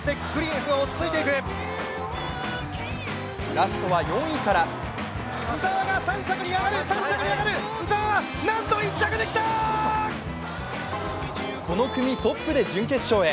ラストは４位からこの組トップで準決勝へ。